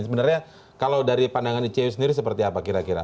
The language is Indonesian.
sebenarnya kalau dari pandangan icw sendiri seperti apa kira kira